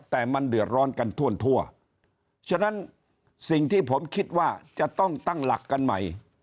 แต่มันเดือดร้อนกันทั่วฉะนั้นสิ่งที่ผมคิดว่าจะต้องตั้งหลักกันใหม่